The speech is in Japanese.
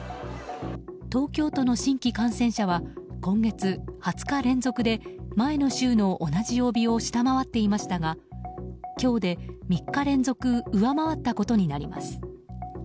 東京都の新規感染者は今月、２０日連続で前の週の同じ曜日を下回っていましたが今日で３日連続上回ったことになります。